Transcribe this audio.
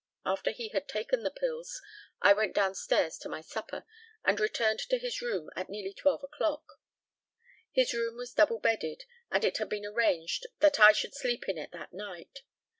After he had taken the pills I went downstairs to my supper, and returned to his room at nearly twelve o'clock. His room was double bedded, and it had been arranged that I should sleep in it that night.